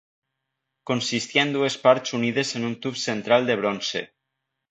Consistia en dues parts unides en un tub central de bronze.